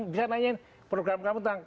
bisa nanyain program kamu tentang